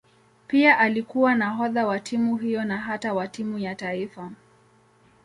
Pia alikuwa nahodha wa timu hiyo na hata wa timu ya taifa.